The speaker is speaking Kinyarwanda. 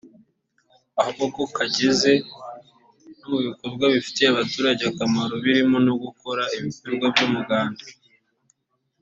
ahubwo ko kageze no mu bikorwa bifitiye abaturage akamaro birimo no gukora ibikorwa by’umuganda